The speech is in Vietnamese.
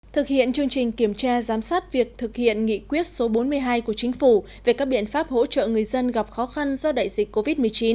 thực hiện chương trình kiểm tra giám sát việc thực hiện nghị quyết số bốn mươi hai của chính phủ về các biện pháp hỗ trợ người dân gặp khó khăn do đại dịch covid một mươi chín